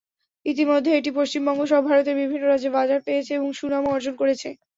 ইতিমধ্যে এটি পশ্চিমবঙ্গসহ ভারতের বিভিন্ন রাজ্যে বাজার পেয়েছে এবং সুনামও অর্জন করেছে।